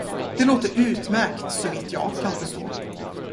Det låter utmärkt, såvitt jag kan förstå.